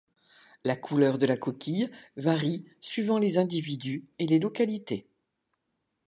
La couleur de la coquille varie suivant les individus et les localités.